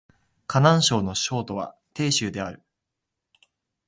河南省の省都は鄭州である